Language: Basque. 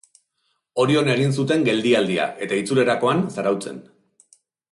Orion egin zuten geldialdia eta itzulerakoan Zarautzen.